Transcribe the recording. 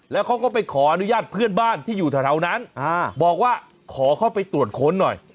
แล้วเขาก็ไปขออนุญาตเพื่อนบ้านที่อยู่แถวนั้นบอกว่าขอเข้าไปตรวจค้นหน่อย